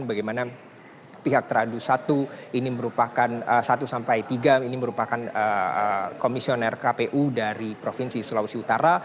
bagaimana pihak teradu satu ini merupakan satu sampai tiga ini merupakan komisioner kpu dari provinsi sulawesi utara